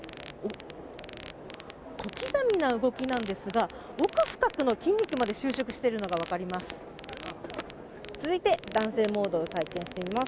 小刻みな動きなんですが奥深くの筋肉まで収縮しているのを感じます。